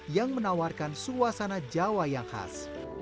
yang menawarkan suasana jawa yang khas